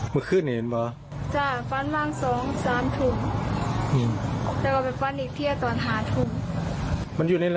มันจมวันหนาวเหรอ